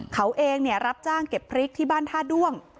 เขาเองรับจ้างเก็บพริกที่บ้านท่าด้วง